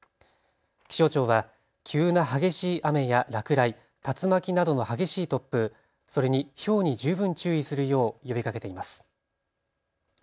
気象庁は急な激しい雨や落雷、竜巻などの激しい突風、それにひょうに十分注意するよう呼びかけています。